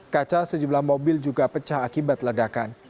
kaca sejumlah mobil juga pecah akibat ledakan